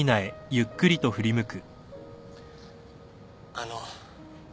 あの。